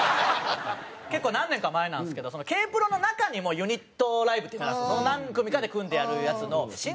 結構何年か前なんですけどＫ−ＰＲＯの中にもユニットライブっていうのがあるんですけど何組かで組んでやるやつの「新宿ＧＯ！